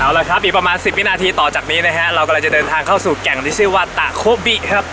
เอาละครับอีกประมาณ๑๐วินาทีต่อจากนี้นะฮะเรากำลังจะเดินทางเข้าสู่แก่งที่ชื่อว่าตะโคบิครับ